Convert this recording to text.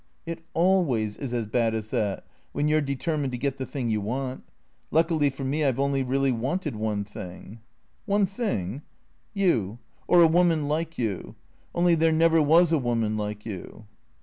"" It always is as bad as that, when you 're determined to get the thing you want. Luckily for me I 've only really wanted one thing." "One thing?" " You — or a woman like you. Only there never was a woman like you."